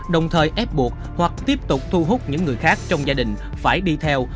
đồng thời ép buộc hoặc tiếp tục thu hút những người khác trong gia đình phải đi theo